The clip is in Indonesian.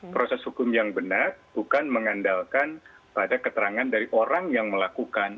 proses hukum yang benar bukan mengandalkan pada keterangan dari orang yang melakukan